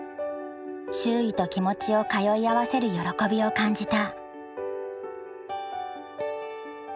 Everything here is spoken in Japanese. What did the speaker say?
周囲と気持ちを通い合わせる喜びを感じた。